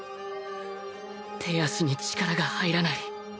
手足に力が入らない